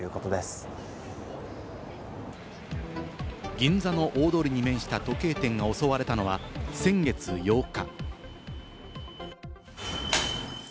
銀座の大通りに面した時計店が襲われたのは先月８日。